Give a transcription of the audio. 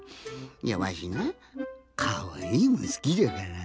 いやわしなかわいいもんすきじゃから。